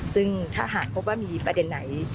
ซึ่งถ้าหากพบว่ามีประเด็นไหน